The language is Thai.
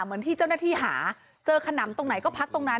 เหมือนที่เจ้าหน้าที่หาเจอขนำตรงไหนก็พักตรงนั้น